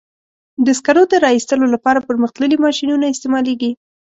د سکرو د را ایستلو لپاره پرمختللي ماشینونه استعمالېږي.